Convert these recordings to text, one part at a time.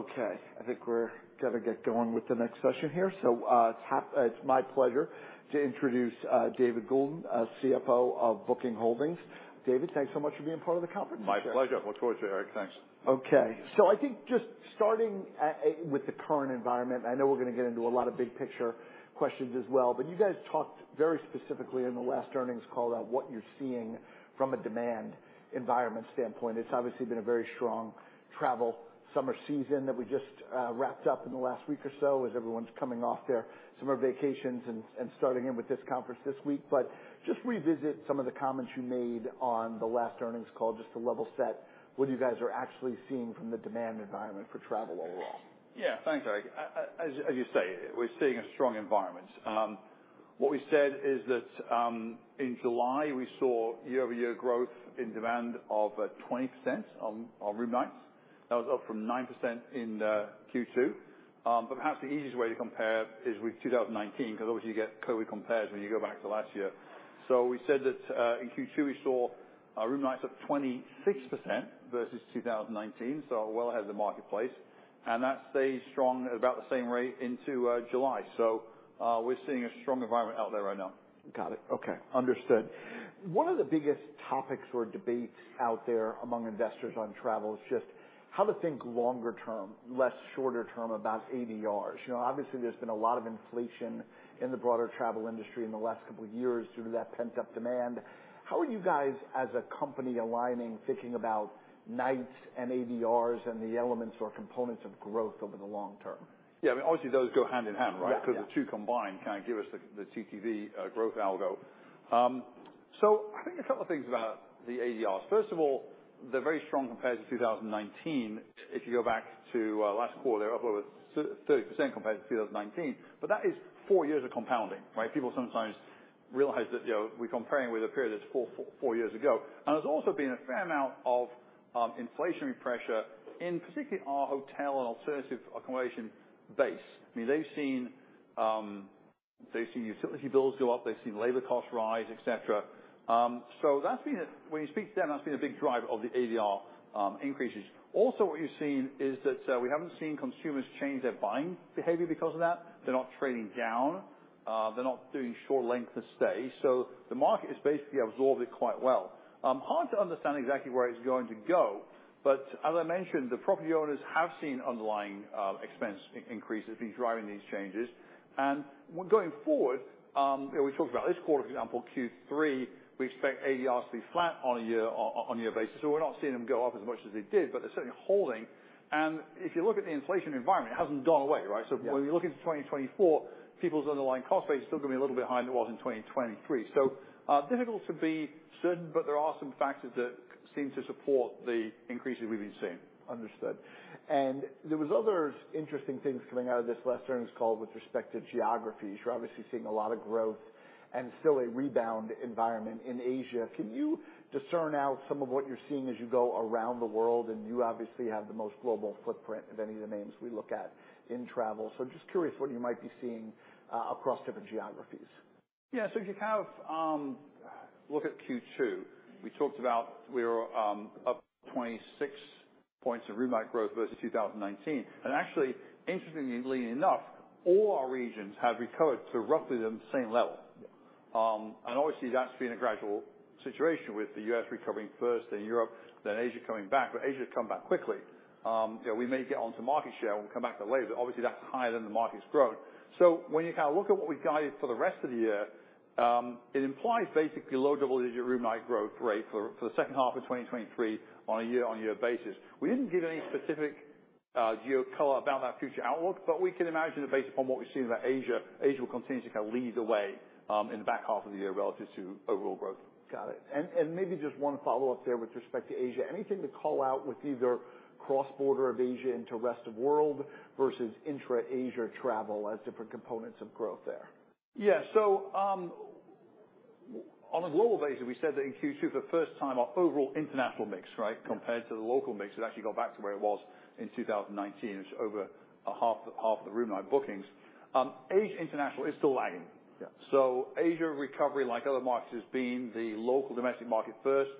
Okay, I think we're gonna get going with the next session here. It's my pleasure to introduce David Goulden, CFO of Booking Holdings. David, thanks so much for being part of the conference. My pleasure. Look forward to it, Eric. Thanks. Okay. So I think just starting with the current environment, I know we're gonna get into a lot of big picture questions as well, but you guys talked very specifically in the last earnings call about what you're seeing from a demand environment standpoint. It's obviously been a very strong travel summer season that we just wrapped up in the last week or so, as everyone's coming off their summer vacations and starting in with this conference this week. But just revisit some of the comments you made on the last earnings call, just to level set what you guys are actually seeing from the demand environment for travel overall. Yeah, thanks, Eric. As you say, we're seeing a strong environment. What we said is that, in July, we saw year-over-year growth in demand of 20% on room nights. That was up from 9% in Q2. But perhaps the easiest way to compare is with 2019, 'cause obviously you get COVID compares when you go back to last year. So we said that, in Q2, we saw room nights up 26% versus 2019, so well ahead of the marketplace, and that stayed strong at about the same rate into July. So, we're seeing a strong environment out there right now. Got it. Okay, understood. One of the biggest topics or debates out there among investors on travel is just how to think longer term, less shorter term, about ADRs. You know, obviously, there's been a lot of inflation in the broader travel industry in the last couple of years due to that pent-up demand. How are you guys, as a company, aligning, thinking about nights and ADRs and the elements or components of growth over the long term? Yeah, I mean, obviously, those go hand in hand, right? Yeah, yeah. 'Cause the two combined kinda give us the TTV growth algo. So I think a couple of things about the ADRs. First of all, they're very strong compared to 2019. If you go back to last quarter, up over 30% compared to 2019, but that is 4 years of compounding, right? People sometimes realize that, you know, we're comparing with a period that's 4 years ago. And there's also been a fair amount of inflationary pressure in particularly our hotel and alternative accommodation base. I mean, they've seen utility bills go up, they've seen labor costs rise, et cetera. So that's been a... When you speak to them, that's been a big driver of the ADR increases. Also, what you've seen is that, we haven't seen consumers change their buying behavior because of that. They're not trading down, they're not doing short length of stay, so the market has basically absorbed it quite well. Hard to understand exactly where it's going to go, but as I mentioned, the property owners have seen underlying expense increases be driving these changes. And going forward, you know, we talked about this quarter, for example, Q3, we expect ADR to be flat on a year-on-year basis, so we're not seeing them go up as much as they did, but they're certainly holding. And if you look at the inflation environment, it hasn't gone away, right? Yeah. So when you look into 2024, people's underlying cost base is still gonna be a little bit higher than it was in 2023. So, difficult to be certain, but there are some factors that seem to support the increases we've been seeing. Understood. There was other interesting things coming out of this last earnings call with respect to geographies. You're obviously seeing a lot of growth and still a rebound environment in Asia. Can you discern out some of what you're seeing as you go around the world? You obviously have the most global footprint of any of the names we look at in travel. So just curious what you might be seeing across different geographies? Yeah. So if you have, look at Q2, we talked about we were up 26 points of room night growth versus 2019. And actually, interestingly enough, all our regions have recovered to roughly the same level. Yeah. And obviously, that's been a gradual situation with the U.S. recovering first, then Europe, then Asia coming back, but Asia come back quickly. You know, we may get onto market share, and we'll come back to that later, but obviously that's higher than the market's growth. So when you kind of look at what we guided for the rest of the year, it implies basically low double-digit room night growth rate for the second half of 2023 on a year-on-year basis. We didn't give any specific geo color about that future outlook, but we can imagine that based upon what we've seen about Asia. Asia will continue to kind of lead the way in the back half of the year relative to overall growth. Got it. And maybe just one follow-up there with respect to Asia. Anything to call out with either cross-border of Asia into rest of world versus intra-Asia travel as different components of growth there? Yeah. So, on a global basis, we said that in Q2, for the first time, our overall international mix, right, compared to the local mix, it actually got back to where it was in 2019. It's over a half, half the room night bookings. Asia international is still lagging. Yeah. So Asia recovery, like other markets, has been the local domestic market first,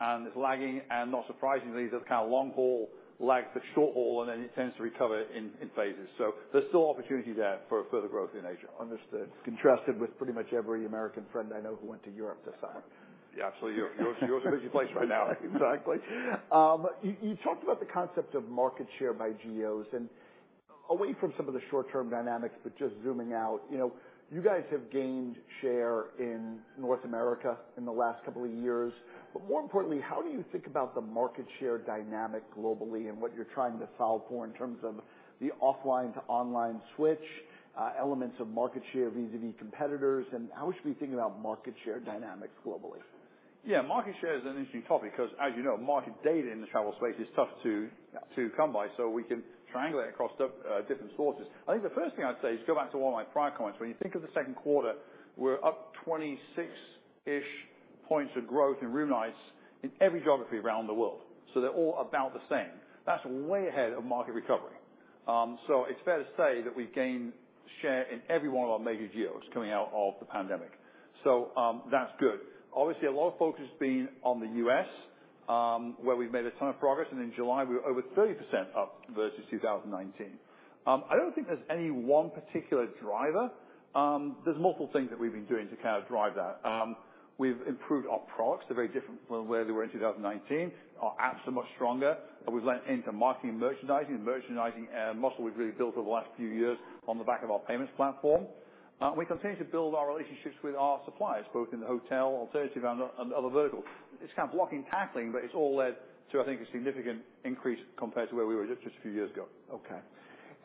and it's lagging, and not surprisingly, the kind of long haul lags the short haul, and then it tends to recover in phases. So there's still opportunity there for further growth in Asia. Understood. Contrasted with pretty much every American friend I know who went to Europe this summer. Yeah, absolutely. Europe, Europe's a busy place right now. Exactly. You talked about the concept of market share by geos, and away from some of the short-term dynamics, but just zooming out, you know, you guys have gained share in North America in the last couple of years. But more importantly, how do you think about the market share dynamic globally and what you're trying to solve for in terms of the offline to online switch, elements of market share vis-à-vis competitors, and how should we think about market share dynamics globally? Yeah, market share is an interesting topic because, as you know, market data in the travel space is tough to- Yeah... to come by, so we can triangulate across different sources. I think the first thing I'd say is go back to one of my prior comments. When you think of the second quarter, we're up 26-ish points of growth in room nights in every geography around the world, so they're all about the same. That's way ahead of market recovery. It's fair to say that we've gained share in every one of our major geos coming out of the pandemic. That's good. Obviously, a lot of focus has been on the US, where we've made a ton of progress, and in July, we were over 30% up versus 2019. I don't think there's any one particular driver. There's multiple things that we've been doing to kind of drive that. We've improved our products. They're very different from where they were in 2019. Our apps are much stronger, and we've lent into marketing and merchandising. Merchandising muscle we've really built over the last few years on the back of our payments platform. We continue to build our relationships with our suppliers, both in the hotel, alternative and other verticals. It's kind of blocking, tackling, but it's all led to, I think, a significant increase compared to where we were just a few years ago. Okay.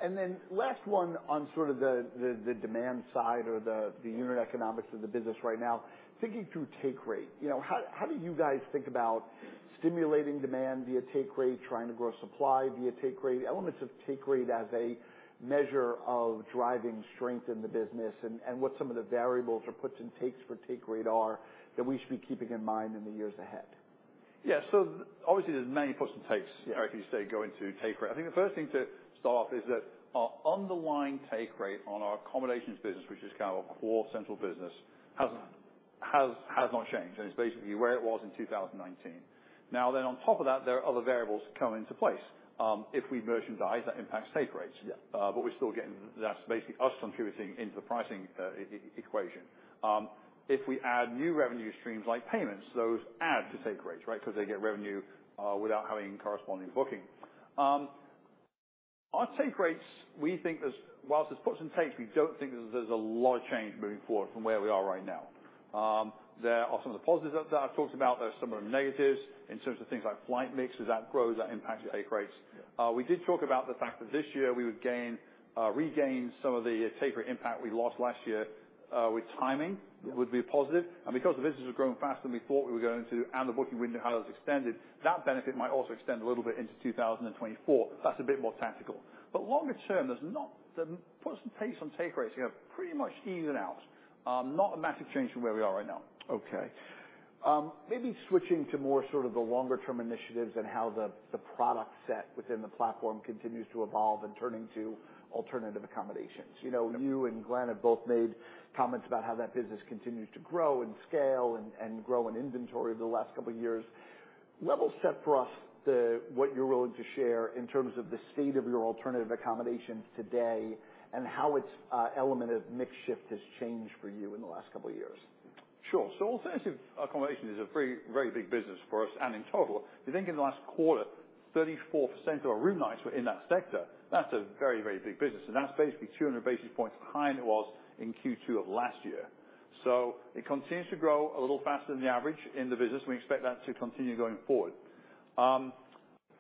And then last one on sort of the demand side or the unit economics of the business right now, thinking through take rate. You know, how do you guys think about stimulating demand via take rate, trying to grow supply via take rate, elements of take rate as a measure of driving strength in the business, and what some of the variables or puts and takes for take rate are that we should be keeping in mind in the years ahead? Yeah. So obviously, there's many puts and takes- Yeah If you say, go into take rate. I think the first thing to start off is that our underlying take rate on our accommodations business, which is kind of our core central business, has not changed, and it's basically where it was in 2019. Now, then on top of that, there are other variables come into place. If we merchandise, that impacts take rates. Yeah. But we're still getting-- that's basically us contributing into the pricing equation. If we add new revenue streams, like payments, those add to take rates, right? Because they get revenue without having corresponding Booking. Our take rates, we think there's-- whilst there's puts and takes, we don't think there's a lot of change moving forward from where we are right now. There are some of the positives that I've talked about. There are some of the negatives in terms of things like flight mix. As that grows, that impacts your take rates. Yeah. We did talk about the fact that this year we would gain, regain some of the take rate impact we lost last year, with timing. Yeah. Would be a positive. And because the business was growing faster than we thought we were going to, and the booking window had extended, that benefit might also extend a little bit into 2024. That's a bit more tactical. But longer term, there's not the puts and takes on take rates, you know, pretty much even out. Not a massive change from where we are right now. Okay. Maybe switching to more sort of the longer term initiatives and how the product set within the platform continues to evolve and turning to alternative accommodations. You know- Yeah... you and Glenn have both made comments about how that business continues to grow and scale and, and grow in inventory over the last couple of years. Level set for us the, what you're willing to share in terms of the state of your alternative accommodations today and how its element of mix shift has changed for you in the last couple of years. Sure. So alternative accommodation is a very, very big business for us and in total. You think in the last quarter, 34% of our room nights were in that sector, that's a very, very big business, and that's basically 200 basis points behind it was in Q2 of last year. So it continues to grow a little faster than the average in the business, and we expect that to continue going forward.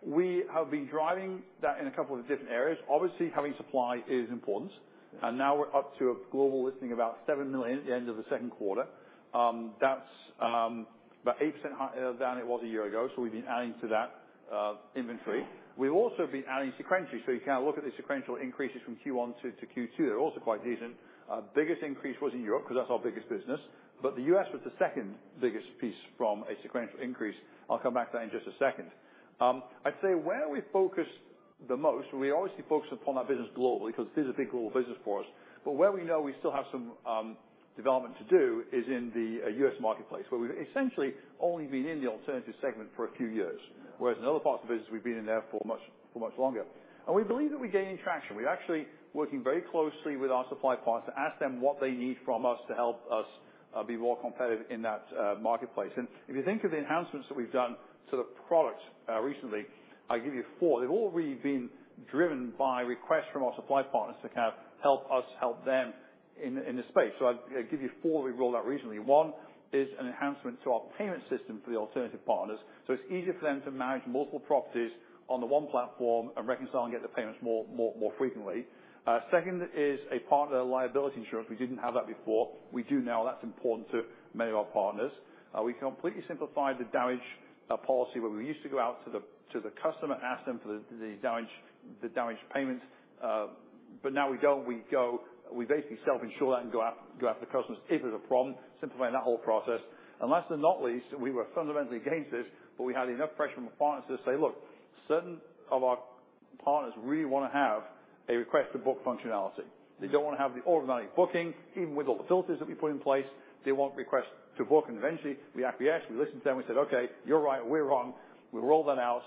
We have been driving that in a couple of different areas. Obviously, having supply is important. Yeah. And now we're up to a global listing, about 7 million at the end of the second quarter. That's about 8% higher than it was a year ago, so we've been adding to that inventory. We've also been adding sequentially, so you kind of look at the sequential increases from Q1 to Q2. They're also quite decent. Biggest increase was in Europe, 'cause that's our biggest business, but the US was the second biggest piece from a sequential increase. I'll come back to that in just a second. I'd say where we focus the most, we obviously focus upon our business globally, 'cause this is a big global business for us. But where we know we still have some development to do is in the US marketplace, where we've essentially only been in the alternative segment for a few years. Yeah. Whereas in other parts of the business, we've been in there for much, for much longer. We believe that we're gaining traction. We're actually working very closely with our supply partners to ask them what they need from us to help us be more competitive in that marketplace. If you think of the enhancements that we've done to the product recently, I'll give you four. They've all really been driven by requests from our supply partners to kind of help us help them in this space. I give you four we rolled out recently. One is an enhancement to our payment system for the alternative partners, so it's easier for them to manage multiple properties on the one platform and reconcile and get the payments more, more, more frequently. Second is a Partner Liability Insurance. We didn't have that before. We do now. That's important to many of our partners. We completely simplified the damage policy, where we used to go out to the customer, ask them for the damage payments, but now we don't. We basically self-insure that and go out to the customers if there's a problem, simplifying that whole process. And last but not least, we were fundamentally against this, but we had enough pressure from our partners to say, "Look, certain of our partners really wanna have a Request to Book functionality. Mm-hmm. They don't wanna have the automatic booking, even with all the filters that we put in place. They want Request to Book." And eventually, we acquiesce, we listened to them, we said, "Okay, you're right, we're wrong." We rolled that out,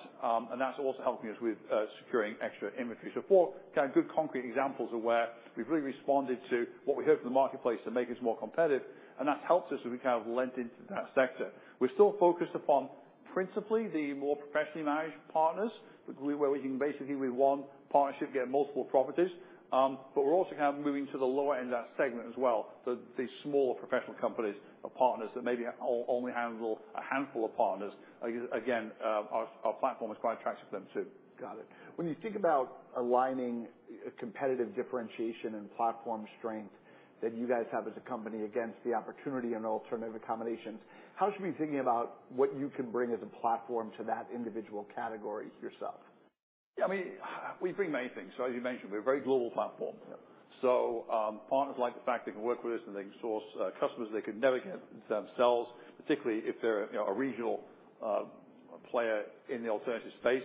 and that's also helping us with securing extra inventory. So four kind of good, concrete examples of where we've really responded to what we heard from the marketplace to make us more competitive, and that's helped us as we kind of lent into that sector. We're still focused upon principally the more professionally managed partners, where we can basically, we want partnership, get multiple properties. But we're also kind of moving to the lower end of that segment as well, the smaller professional companies or partners that maybe only handle a handful of partners. Again, our platform is quite attractive to them, too. Got it. When you think about aligning competitive differentiation and platform strength that you guys have as a company against the opportunity in alternative accommodations, how should we be thinking about what you can bring as a platform to that individual category yourself? Yeah, I mean, we bring many things. So as you mentioned, we're a very global platform. Yeah. So, partners like the fact they can work with us, and they can source, customers they could never get themselves, particularly if they're, you know, a regional, a player in the alternative space.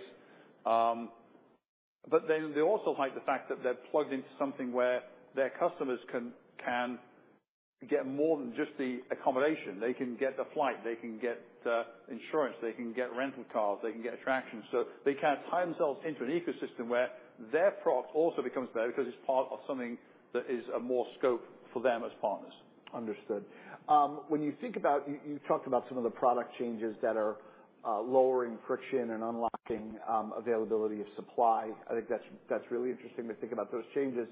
But then they also like the fact that they're plugged into something where their customers can get more than just the accommodation. They can get the flight, they can get, insurance, they can get rental cars, they can get attractions. So they can tie themselves into an ecosystem where their product also becomes better, because it's part of something that is a more scope for them as partners. Understood. When you think about—you, you talked about some of the product changes that are lowering friction and unlocking availability of supply. I think that's really interesting to think about those changes.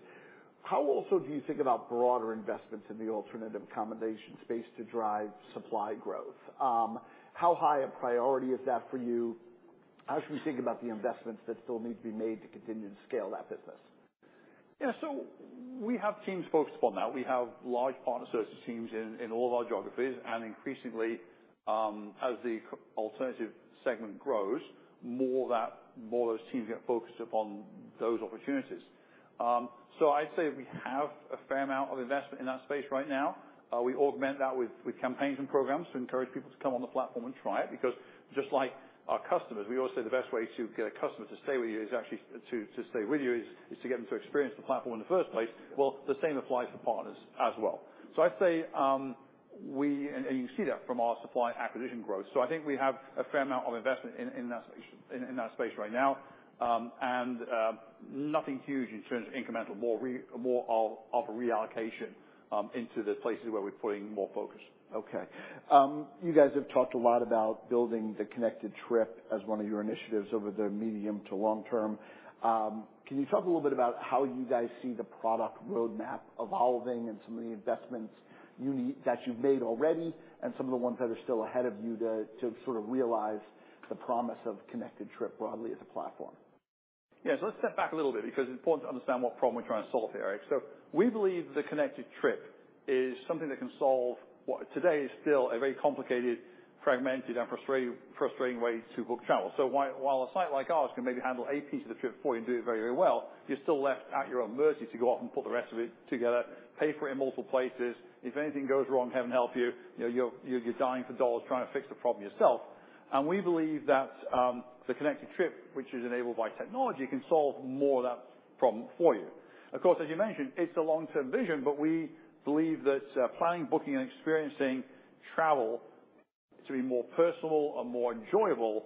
How also do you think about broader investments in the alternative accommodation space to drive supply growth? How high a priority is that for you as you think about the investments that still need to be made to continue to scale that business? Yeah. So we have teams focused on that. We have large partner service teams in all of our geographies, and increasingly, as the alternative segment grows, more of those teams get focused upon those opportunities. So I'd say we have a fair amount of investment in that space right now. We augment that with campaigns and programs to encourage people to come on the platform and try it, because just like our customers, we always say the best way to get a customer to stay with you is actually to get them to experience the platform in the first place. Well, the same applies for partners as well. So I'd say, and you see that from our supply acquisition growth. I think we have a fair amount of investment in that space right now. Nothing huge in terms of incremental, more of a reallocation into the places where we're putting more focus. Okay. You guys have talked a lot about building the Connected Trip as one of your initiatives over the medium to long term. Can you talk a little bit about how you guys see the product roadmap evolving and some of the investments that you've made already, and some of the ones that are still ahead of you to sort of realize the promise of Connected Trip broadly as a platform? Yeah. So let's step back a little bit, because it's important to understand what problem we're trying to solve here, Eric. So we believe the Connected Trip is something that can solve what today is still a very complicated, fragmented, and frustrating way to book travel. So while a site like ours can maybe handle a piece of the trip for you and do it very, very well, you're still left at your own mercy to go off and put the rest of it together, pay for it in multiple places. If anything goes wrong, heaven help you, you know, you're dialing for dollars trying to fix the problem yourself. And we believe that the Connected Trip, which is enabled by technology, can solve more of that problem for you. Of course, as you mentioned, it's a long-term vision, but we believe that planning, booking, and experiencing travel to be more personal and more enjoyable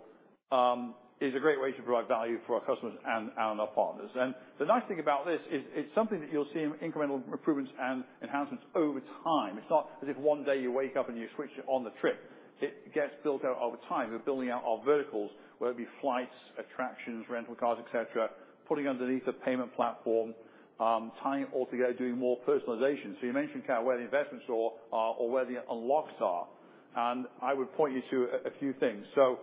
is a great way to provide value for our customers and our partners. The nice thing about this is it's something that you'll see in incremental improvements and enhancements over time. It's not as if one day you wake up and you switch on the trip. It gets built out over time. We're building out our verticals, whether it be flights, attractions, rental cars, et cetera, putting underneath a payment platform, tying it all together, doing more personalization. So you mentioned, kind of, where the investments are or where the unlocks are, and I would point you to a few things. So,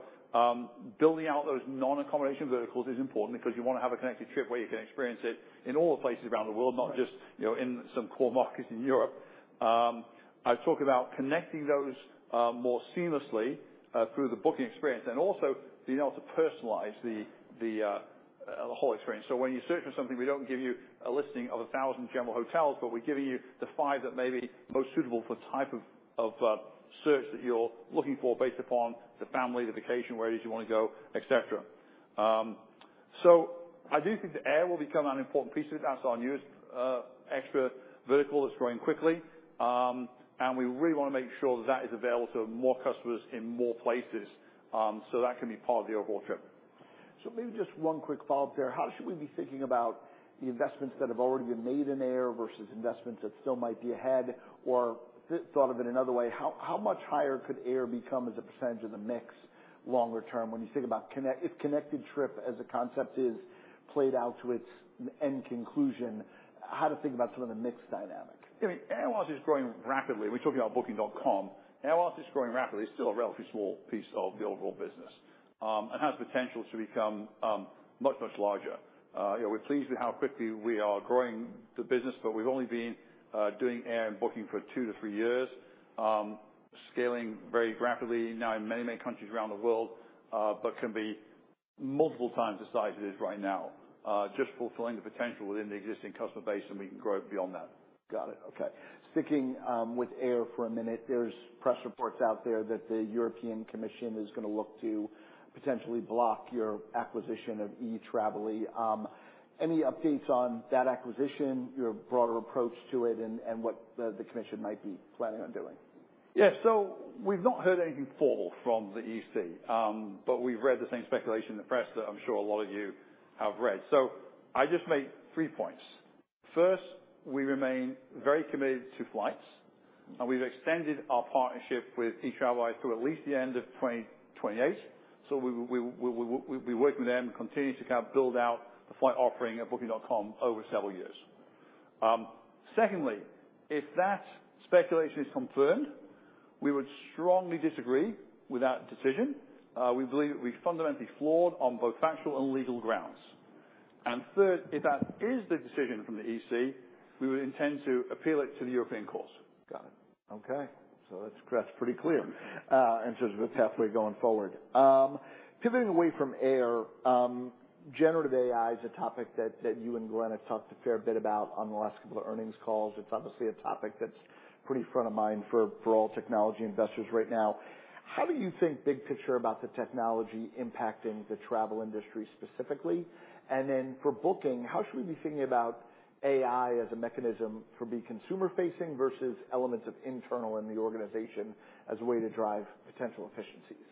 building out those non-accommodation verticals is important because you wanna have a Connected Trip where you can experience it in all the places around the world- Right. - not just, you know, in some core markets in Europe. I talk about connecting those more seamlessly through the booking experience and also being able to personalize the the whole experience. So when you search for something, we don't give you a listing of 1,000 general hotels, but we're giving you the five that may be most suitable for the type of search that you're looking for, based upon the family, the vacation, where it is you wanna go, et cetera. So I do think the air will become an important piece of it. That's our newest extra vertical that's growing quickly. And we really wanna make sure that is available to more customers in more places, so that can be part of the overall trip. So maybe just one quick follow-up there. How should we be thinking about the investments that have already been made in air versus investments that still might be ahead? Or thought of it another way, how much higher could air become as a percentage of the mix longer term when you think about if Connected Trip as a concept is played out to its end conclusion, how to think about some of the mix dynamic? I mean, air is growing rapidly. We're talking about Booking.com. Airlines is growing rapidly. It's still a relatively small piece of the overall business, and has potential to become much, much larger. You know, we're pleased with how quickly we are growing the business, but we've only been doing air at Booking for 2-3 years. Scaling very rapidly now in many, many countries around the world, but can be multiple times the size it is right now, just fulfilling the potential within the existing customer base, and we can grow it beyond that. Got it. Okay. Sticking with air for a minute, there's press reports out there that the European Commission is gonna look to potentially block your acquisition of Etraveli. Any updates on that acquisition, your broader approach to it, and, and what the, the commission might be planning on doing? Yeah. So we've not heard anything formal from the EC, but we've read the same speculation in the press that I'm sure a lot of you have read. So I'd just make three points. First, we remain very committed to flights, and we've extended our partnership with Etraveli through at least the end of 2028. So we'll be working with them and continue to kind of build out the flight offering at Booking.com over several years. Secondly, if that speculation is confirmed, we would strongly disagree with that decision. We believe it'd be fundamentally flawed on both factual and legal grounds. And third, if that is the decision from the EC, we would intend to appeal it to the European courts. Got it. Okay. So that's, that's pretty clear in terms of the pathway going forward. Pivoting away from air, generative AI is a topic that, that you and Glenn talked a fair bit about on the last couple of earnings calls. It's obviously a topic that's pretty front of mind for, for all technology investors right now. How do you think big picture about the technology impacting the travel industry specifically? And then for Booking, how should we be thinking about AI as a mechanism for being consumer facing versus elements of internal in the organization as a way to drive potential efficiencies?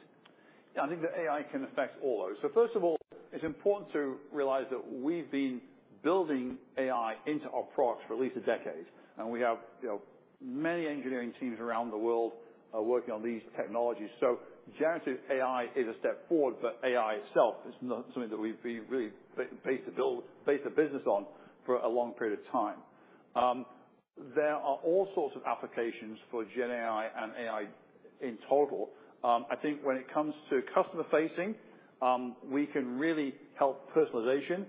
Yeah, I think the AI can affect all those. So first of all, it's important to realize that we've been building AI into our products for at least a decade, and we have, you know, many engineering teams around the world, working on these technologies. So generative AI is a step forward, but AI itself is not something that we've been really based a business on for a long period of time. There are all sorts of applications for Gen AI and AI in total. I think when it comes to customer facing, we can really help personalization.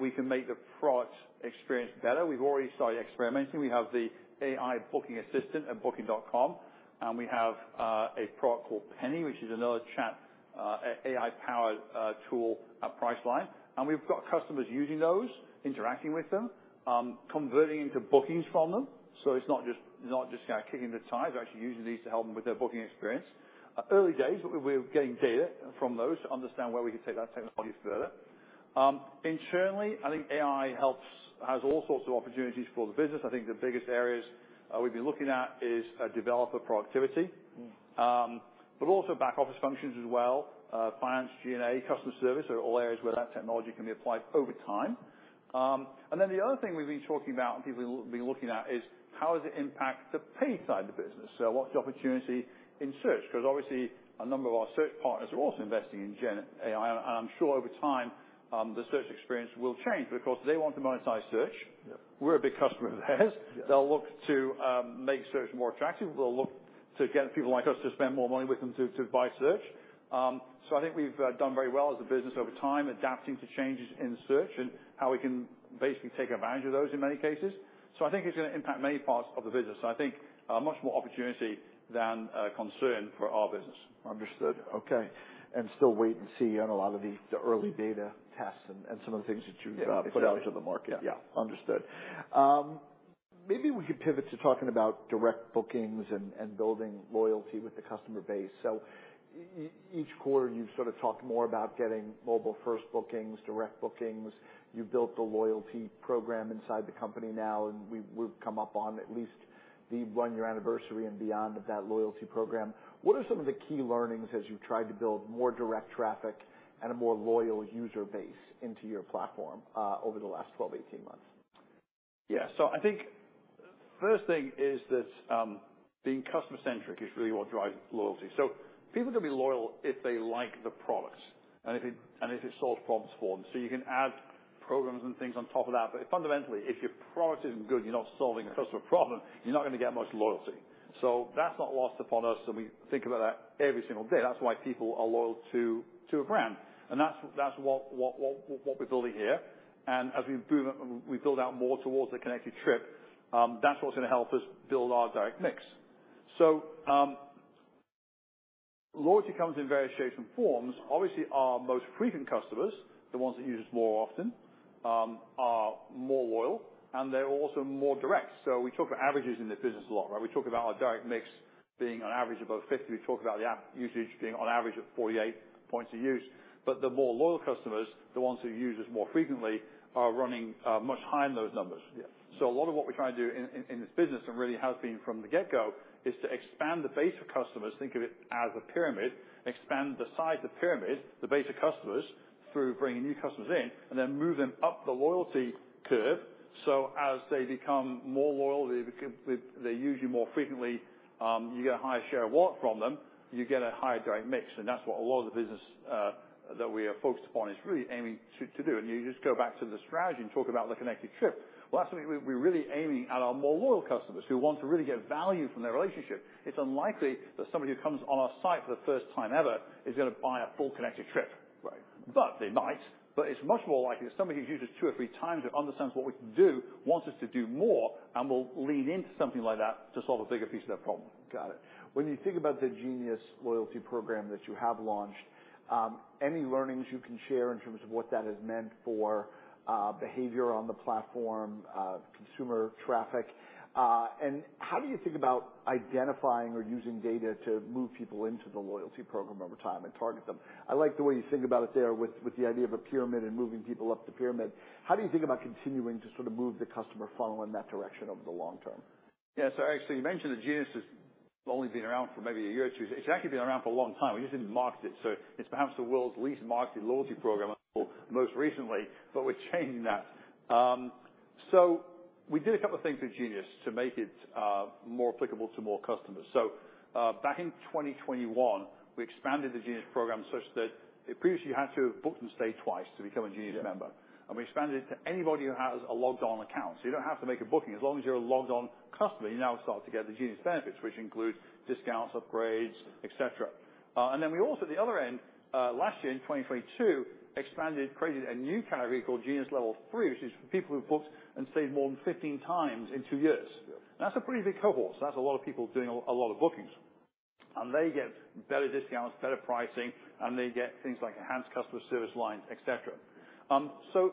We can make the product experience better. We've already started experimenting. We have the AI Booking Assistant at Booking.com, and we have a product called Penny, which is another chat AI-powered tool at Priceline. We've got customers using those, interacting with them, converting into bookings from them. So it's not just kicking their tires, they're actually using these to help them with their booking experience. Early days, but we're getting data from those to understand where we can take that technology further. Internally, I think AI helps-has all sorts of opportunities for the business. I think the biggest areas we've been looking at is developer productivity. Mm. But also back office functions as well, finance, G&A, customer service, are all areas where that technology can be applied over time. And then the other thing we've been talking about, and people been looking at, is how does it impact the pay side of the business? So what's the opportunity in search? 'Cause obviously, a number of our search partners are also investing in Gen AI, and I'm sure over time, the search experience will change because they want to monetize search. Yeah. We're a big customer of theirs. Yeah. They'll look to make search more attractive. They'll look to get people like us to spend more money with them to buy search. So I think we've done very well as a business over time, adapting to changes in search and how we can basically take advantage of those in many cases. So I think it's gonna impact many parts of the business. I think much more opportunity than a concern for our business. Understood. Okay. And still wait and see on a lot of the early data tests and some of the things that you've put out. Put out to the market. Yeah. Understood. Maybe we could pivot to talking about direct bookings and building loyalty with the customer base. So each quarter, you've sort of talked more about getting mobile-first bookings, direct bookings. You've built a loyalty program inside the company now, and we've come up on at least the 1-year anniversary and beyond of that loyalty program. What are some of the key learnings as you've tried to build more direct traffic and a more loyal user base into your platform over the last 12, 18 months? Yeah. So I think first thing is that, being customer-centric is really what drives loyalty. So people are gonna be loyal if they like the products and if it, and if it solves problems for them. So you can add programs and things on top of that, but fundamentally, if your product isn't good, you're not solving a customer problem, you're not gonna get much loyalty. So that's not lost upon us, and we think about that every single day. That's why people are loyal to a brand, and that's what we're building here. And as we improve and we build out more towards the Connected Trip, that's what's gonna help us build our direct mix. So, loyalty comes in various shapes and forms. Obviously, our most frequent customers, the ones that use us more often, are more loyal, and they're also more direct. So we talk about averages in this business a lot, right? We talk about our direct mix being on average about 50. We talk about the app usage being on average of 48 points of use. But the more loyal customers, the ones who use us more frequently, are running much higher than those numbers. Yeah. So a lot of what we're trying to do in this business, and really has been from the get-go, is to expand the base of customers, think of it as a pyramid, expand the size of the pyramid, the base of customers, through bringing new customers in, and then move them up the loyalty curve. So as they become more loyal, they become. They use you more frequently, you get a higher share of wallet from them, you get a higher direct mix, and that's what a lot of the business that we are focused upon is really aiming to do. And you just go back to the strategy and talk about the Connected Trip. Well, that's something we're really aiming at our more loyal customers who want to really get value from their relationship. It's unlikely that somebody who comes on our site for the first time ever is gonna buy a full Connected Trip. Right. But be nice, but it's much more likely that somebody who's used us two or three times and understands what we can do wants us to do more, and will lean into something like that to solve a bigger piece of their problem. Got it. When you think about the Genius loyalty program that you have launched, any learnings you can share in terms of what that has meant for behavior on the platform, consumer traffic? And how do you think about identifying or using data to move people into the loyalty program over time and target them? I like the way you think about it there with the idea of a pyramid and moving people up the pyramid. How do you think about continuing to sort of move the customer funnel in that direction over the long term? Yeah, so actually, you mentioned that Genius has only been around for maybe a year or two. It's actually been around for a long time. We just didn't market it, so it's perhaps the world's least marketed loyalty program until most recently, but we're changing that. So, we did a couple of things with Genius to make it more applicable to more customers. So, back in 2021, we expanded the Genius program such that previously, you had to have booked and stayed twice to become a Genius member. Yeah. And we expanded it to anybody who has a logged-on account. So you don't have to make a booking as long as you're a logged-on customer, you now start to get the Genius benefits, which include discounts, upgrades, et cetera. And then we also, at the other end, last year, in 2022, expanded, created a new category called Genius Level Three, which is for people who've booked and stayed more than 15 times in two years. Yeah. That's a pretty big cohort. So that's a lot of people doing a lot of bookings, and they get better discounts, better pricing, and they get things like enhanced customer service lines, et cetera. So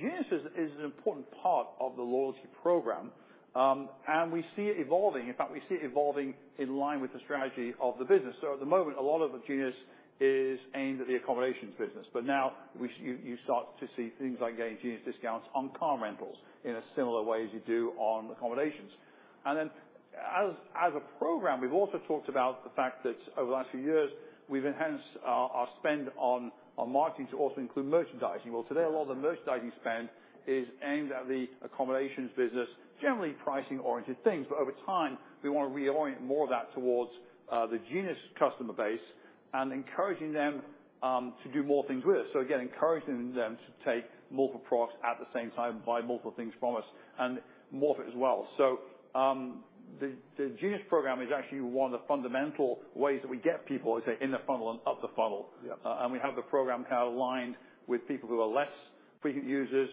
Genius is an important part of the loyalty program, and we see it evolving. In fact, we see it evolving in line with the strategy of the business. So at the moment, a lot of the Genius is aimed at the accommodations business, but now you start to see things like getting Genius discounts on car rentals in a similar way as you do on accommodations. And then as a program, we've also talked about the fact that over the last few years, we've enhanced our spend on marketing to also include merchandising. Well, today, a lot of the merchandising spend is aimed at the accommodations business, generally pricing-oriented things. But over time, we want to reorient more of that towards the Genius customer base and encouraging them to do more things with us. So again, encouraging them to take multiple products at the same time and buy multiple things from us, and more of it as well. So the Genius program is actually one of the fundamental ways that we get people, say, in the funnel and up the funnel. Yep. We have the program kind of aligned with people who are less frequent users,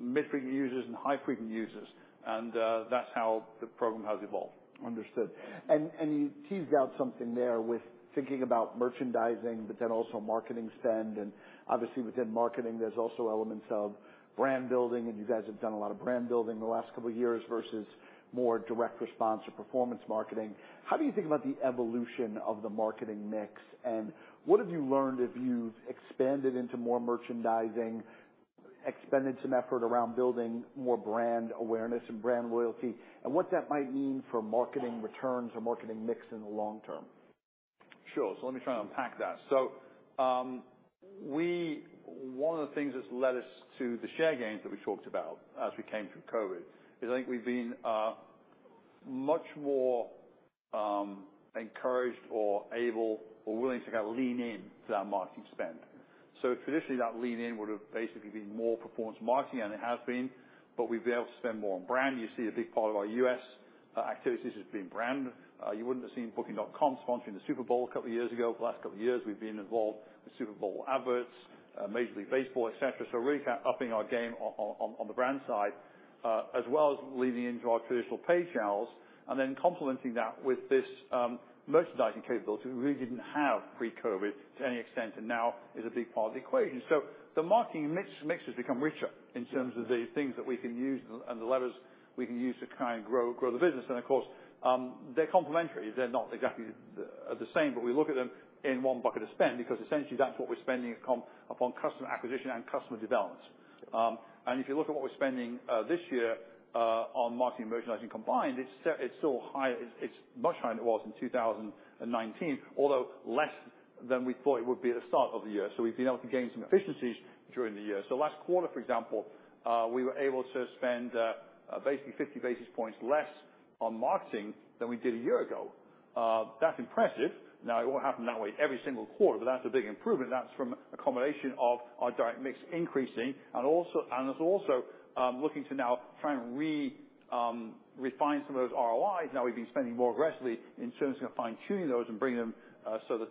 mid-frequent users, and high-frequency users, and that's how the program has evolved. Understood. And, and you teased out something there with thinking about merchandising, but then also marketing spend. And obviously, within marketing, there's also elements of brand building, and you guys have done a lot of brand building in the last couple of years versus more direct response or performance marketing. How do you think about the evolution of the marketing mix, and what have you learned as you've expanded into more merchandising, expended some effort around building more brand awareness and brand loyalty, and what that might mean for marketing returns or marketing mix in the long term? Sure. So let me try and unpack that. So, one of the things that's led us to the share gains that we talked about as we came through COVID, is I think we've been much more encouraged or able or willing to kind of lean in to that marketing spend. So traditionally, that lean in would have basically been more performance marketing, and it has been, but we've been able to spend more on brand. You see a big part of our U.S. activities has been brand. You wouldn't have seen Booking.com sponsoring the Super Bowl a couple of years ago. For the last couple of years, we've been involved with Super Bowl adverts, Major League Baseball, et cetera. So really kind of upping our game on the brand side, as well as leading into our traditional paid channels and then complementing that with this merchandising capability. We really didn't have pre-COVID to any extent, and now is a big part of the equation. So the marketing mix has become richer in terms of the things that we can use and the levers we can use to try and grow the business. And of course, they're complementary. They're not exactly the same, but we look at them in one bucket of spend, because essentially that's what we're spending upon customer acquisition and customer development. And if you look at what we're spending this year on marketing and merchandising combined, it's still high, it's much higher than it was in 2019, although less than we thought it would be at the start of the year. We've been able to gain some efficiencies during the year. Last quarter, for example, we were able to spend basically 50 basis points less on marketing than we did a year ago. That's impressive. Now, it won't happen that way every single quarter, but that's a big improvement. That's from a combination of our direct mix increasing and also and it's also looking to now try and refine some of those ROIs. Now, we've been spending more aggressively in terms of fine-tuning those and bringing them, so the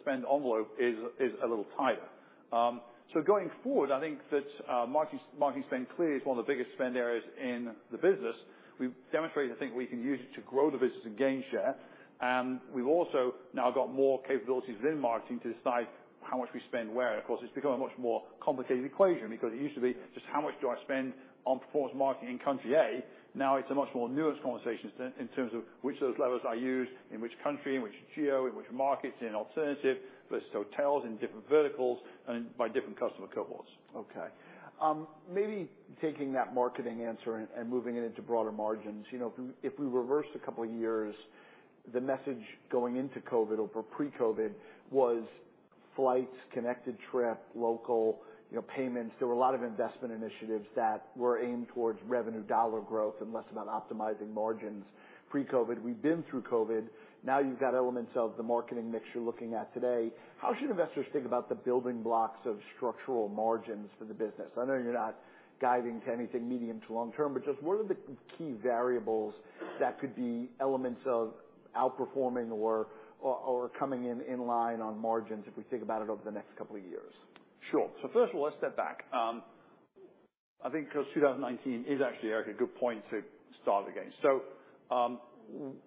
spend envelope is a little tighter. So going forward, I think that marketing spend clearly is one of the biggest spend areas in the business. We've demonstrated, I think, we can use it to grow the business and gain share. And we've also now got more capabilities within marketing to decide how much we spend where. Of course, it's become a much more complicated equation because it used to be just how much do I spend on performance marketing in country A. Now it's a much more nuanced conversation in terms of which of those levels I use, in which country, in which geo, in which markets, in alternative versus hotels, in different verticals, and by different customer cohorts. Okay. Maybe taking that marketing answer and, and moving it into broader margins, you know, if we, if we reverse a couple of years, the message going into COVID or pre-COVID was flights, Connected Trip, local, you know, payments. There were a lot of investment initiatives that were aimed towards revenue dollar growth and less about optimizing margins pre-COVID. We've been through COVID. Now, you've got elements of the marketing mix you're looking at today. How should investors think about the building blocks of structural margins for the business? I know you're not guiding to anything medium to long term, but just what are the key variables that could be elements of outperforming or, or, or coming in in line on margins if we think about it over the next couple of years? Sure. So first of all, let's step back. I think because 2019 is actually, Eric, a good point to start again. So,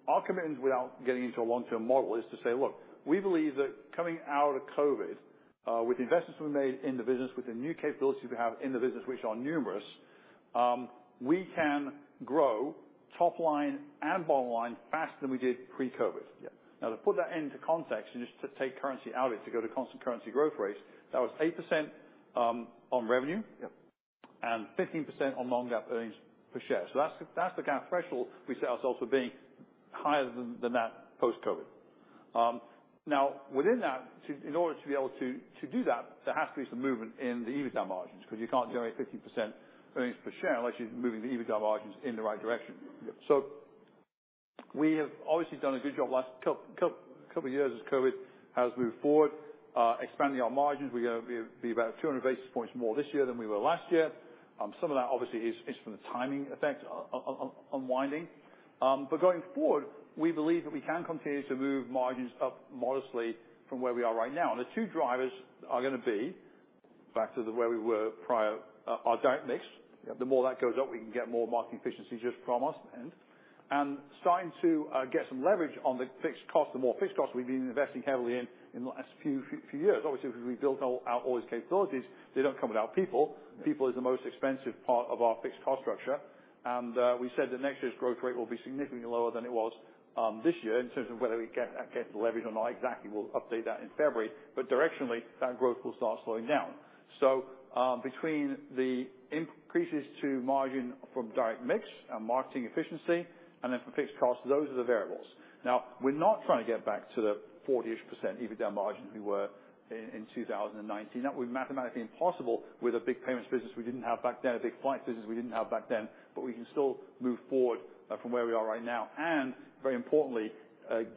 our commitment without getting into a long-term model is to say, look, we believe that coming out of COVID, with the investments we made in the business, with the new capabilities we have in the business, which are numerous, we can grow top line and bottom line faster than we did pre-COVID. Yeah. Now, to put that into context and just to take currency out of it, to go to constant currency growth rates, that was 8% on revenue- Yep. and 15% on non-GAAP earnings per share. So that's, that's the kind of threshold we set ourselves for being higher than, than that post-COVID. Now, within that, in order to be able to, to do that, there has to be some movement in the EBITDA margins, because you can't generate 15% earnings per share unless you're moving the EBITDA margins in the right direction. Yep. So we have obviously done a good job the last couple of years as COVID has moved forward, expanding our margins. We're going to be about 200 basis points more this year than we were last year. Some of that obviously is from the timing effect unwinding. But going forward, we believe that we can continue to move margins up modestly from where we are right now. And the two drivers are going to be back to the way we were prior, our direct mix. The more that goes up, we can get more market efficiency just from us, and starting to get some leverage on the fixed cost. The more fixed cost we've been investing heavily in the last few years. Obviously, we built out all these capabilities. They don't come without people. People is the most expensive part of our fixed cost structure. And we said that next year's growth rate will be significantly lower than it was this year, in terms of whether we get the leverage or not exactly. We'll update that in February, but directionally, that growth will start slowing down. So, between the increases to margin from direct mix and marketing efficiency, and then for fixed costs, those are the variables. Now, we're not trying to get back to the 40-ish% EBITDA margin we were in 2019. That would be mathematically impossible with a big payments business we didn't have back then, a big flight business we didn't have back then, but we can still move forward from where we are right now, and very importantly,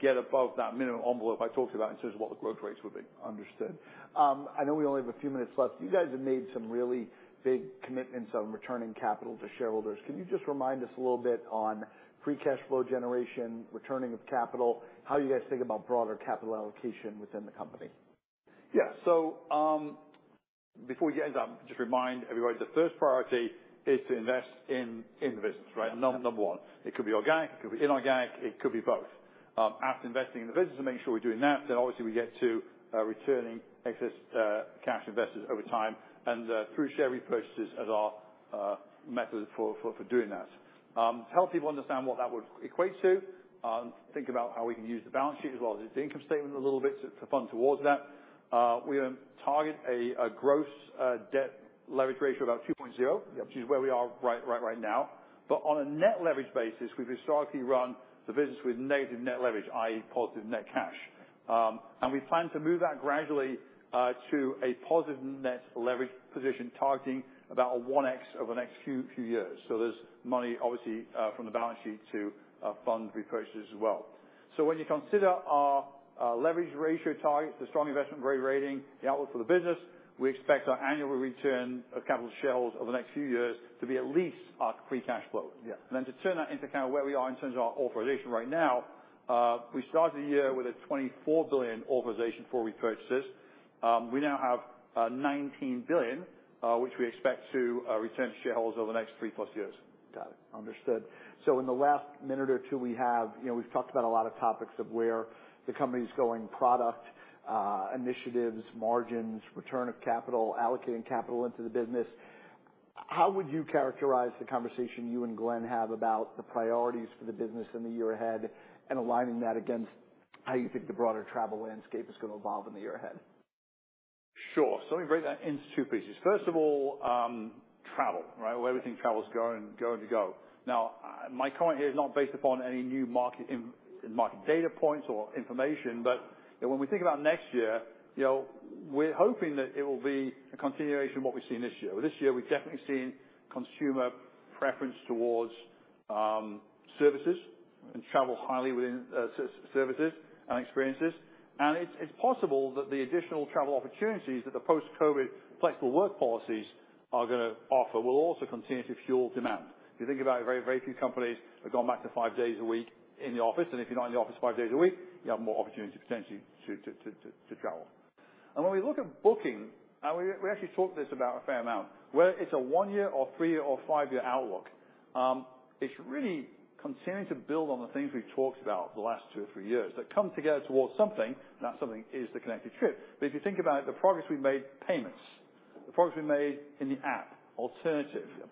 get above that minimum envelope I talked about in terms of what the growth rates would be. Understood. I know we only have a few minutes left. You guys have made some really big commitments on returning capital to shareholders. Can you just remind us a little bit on free cash flow generation, returning of capital, how you guys think about broader capital allocation within the company? Yeah. So, before we get into that, just remind everybody, the first priority is to invest in the business, right? Number one. It could be organic, it could be inorganic, it could be both. After investing in the business to make sure we're doing that, then obviously we get to returning excess cash invested over time and through share repurchases as our method for doing that. To help people understand what that would equate to, think about how we can use the balance sheet as well as the income statement a little bit to fund towards that. We target a gross debt leverage ratio about 2.0- Yep. -which is where we are right, right, right now. But on a net leverage basis, we've historically run the business with negative net leverage, i.e., positive net cash. And we plan to move that gradually to a positive net leverage position, targeting about a 1x over the next few years. So there's money, obviously, from the balance sheet to fund repurchases as well. So when you consider our leverage ratio targets, the strong investment grade rating, the outlook for the business, we expect our annual return of capital to shareholders over the next few years to be at least our free cash flow. Yeah. And then to turn that into kind of where we are in terms of our authorization right now, we started the year with a $24 billion authorization for repurchases. We now have $19 billion, which we expect to return to shareholders over the next 3+ years. Got it. Understood. So in the last minute or two, we have, you know, we've talked about a lot of topics of where the company is going, product, initiatives, margins, return of capital, allocating capital into the business. How would you characterize the conversation you and Glenn have about the priorities for the business in the year ahead, and aligning that against how you think the broader travel landscape is going to evolve in the year ahead? Sure. So let me break that into two pieces. First of all, travel, right? Where we think travel is going to go. Now, my comment here is not based upon any new in-market data points or information, but when we think about next year, you know, we're hoping that it will be a continuation of what we've seen this year. Well, this year we've definitely seen consumer preference towards services and travel highly within services and experiences. And it's possible that the additional travel opportunities that the post-COVID flexible work policies are gonna offer will also continue to fuel demand. If you think about it, very few companies have gone back to five days a week in the office, and if you're not in the office five days a week, you have more opportunity potentially to travel. When we look at booking, and we, we actually talked this about a fair amount, whether it's a 1-year or 3- or 5-year outlook, it's really continuing to build on the things we've talked about the last two or three years that come together towards something, and that something is the Connected Trip. But if you think about it, the progress we've made, payments, the progress we made in the app, alternative- Yep.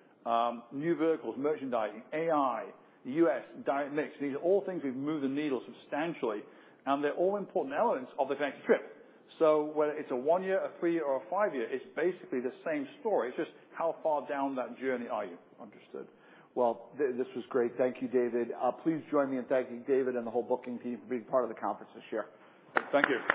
New vehicles, merchandising, AI, US, direct mix, these are all things we've moved the needle substantially, and they're all important elements of the next trip. So whether it's a 1-year, a 3-year, or a 5-year, it's basically the same story. It's just how far down that journey are you? Understood. Well, this was great. Thank you, David. Please join me in thanking David and the whole Booking team for being part of the conference this year. Thank you.